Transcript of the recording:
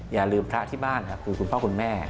อย่าลืมพระที่บ้านครับคือคุณพ่อคุณแม่